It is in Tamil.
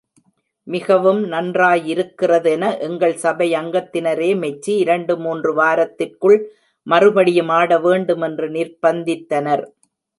மிகவும் நன்றாயிருக்கிற தென எங்கள் சபை அங்கத்தினரே மெச்சி, இரண்டு மூன்று வாரத்திற்குள் மறுபடியும் ஆடவேண்டுமென்று நிர்ப்பந்தித்தனர்.